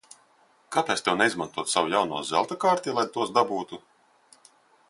Kāpēc tev neizmantot savu jauno zelta karti, lai tos dabūtu?